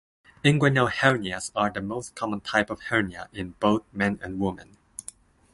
Inguinal hernias are the most common type of hernia in both men and women.